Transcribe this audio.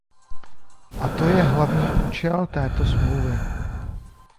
A to je hlavní účel této smlouvy!